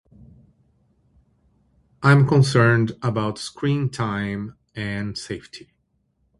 I'm concerned about screen time and safety.